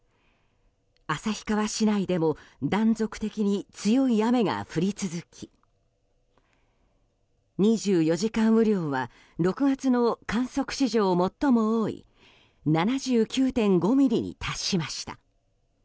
旭川市内でも断続的に強い雨が降り続き２４時間雨量は６月の観測史上最も多い７９．５ミリに達しました。